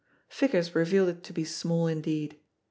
Figures revealed it to be small indeed.